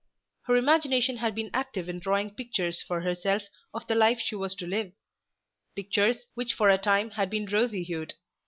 Her imagination had been active in drawing pictures for herself of the life she was to live, pictures which for a time had been rosy hued.